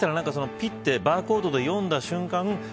できたらピッてバーコードで読んだ瞬間